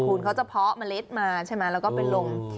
คุณเขาจะเพาะเมล็ดมาใช่ไหมแล้วก็เป็นลม